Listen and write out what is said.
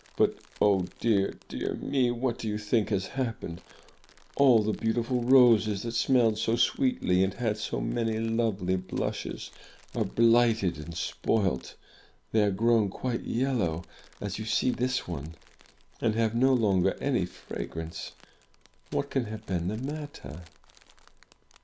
But, oh dear, dear me! What do you think has happened? All the beautiful roses, that smelled so sweetly and had so many lovely blushes, are blighted and spoilt! They are grown quite yellow, as you see this one, and have no longer any fragrance! What can have been the matter?"